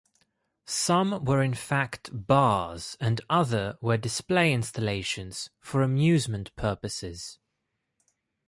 Some were in fact bars and other were display installations for amusement purposes.